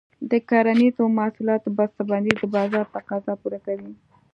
د کرنیزو محصولاتو بسته بندي د بازار تقاضا پوره کوي.